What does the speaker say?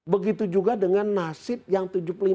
begitu juga dengan nasib yang tujuh puluh lima